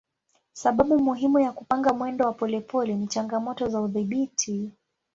Sababu muhimu ya kupanga mwendo wa polepole ni changamoto za udhibiti.